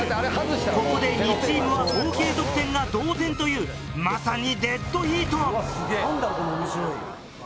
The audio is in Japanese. ここで２チームは合計得点が同点というまさにデッドヒート！